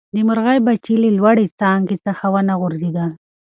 د مرغۍ بچي له لوړې څانګې څخه ونه غورځېدل.